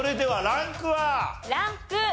ランク２。